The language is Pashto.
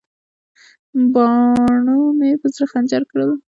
باڼو مې په زړه خنجر کړل.